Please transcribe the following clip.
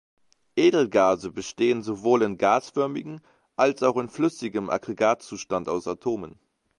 Edelgase bestehen sowohl in gasförmigen als auch in flüssigem Aggregatzustand aus Atomen.